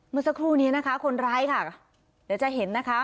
เมื่อสักครู่นี้นะคะคนร้ายค่ะเดี๋ยวจะเห็นนะคะ